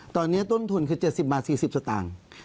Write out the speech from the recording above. ตอนนี้ต้นทุนคือ๗๐บาท๔๐สตางค์